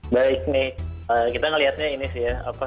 baik nih kita ngeliatnya ini sih ya